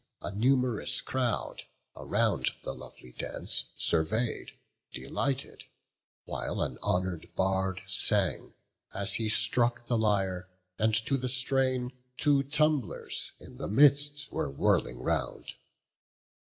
A num'rous crowd, around, the lovely dance Survey'd, delighted; while an honour'd Bard Sang, as he struck the lyre, and to the strain Two tumblers, in the midst, were whirling round.